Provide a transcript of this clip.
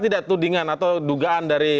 tidak tudingan atau dugaan dari